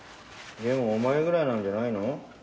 でもお前ぐらいなんじゃないの？